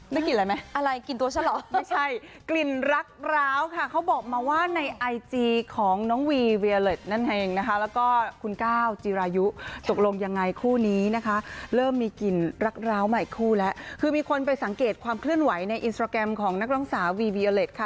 ได้กลิ่นอะไรไหมอะไรกลิ่นตัวฉันเหรอไม่ใช่กลิ่นรักร้าวค่ะเขาบอกมาว่าในไอจีของน้องวีเวียเล็ตนั่นเองนะคะแล้วก็คุณก้าวจีรายุตกลงยังไงคู่นี้นะคะเริ่มมีกลิ่นรักร้าวใหม่คู่แล้วคือมีคนไปสังเกตความเคลื่อนไหวในอินสตราแกรมของนักร้องสาววีวีอเล็ตค่ะ